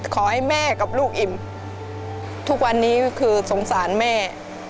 ขอให้แม่กับลูกอิ่มทุกวันนี้ก็คือสงสารแม่